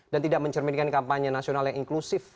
dan tidak mencerminkan kampanye nasional yang inklusif